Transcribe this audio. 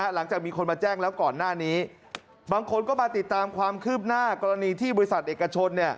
หลังจากมีคนมาแจ้งแล้วก่อนหน้านี้บางคนก็มาติดตามความคืบหน้ากรณีที่บริษัทเอกชน